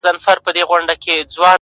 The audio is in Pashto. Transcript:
د زړه غوټه چي لارې ته ولاړه ده حيرانه!!